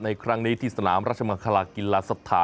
ในครั้งนี้ที่สนามราชมังคลากีฬาศาลนะครับ